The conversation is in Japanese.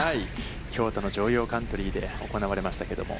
京都の城陽カントリーで行われましたけども。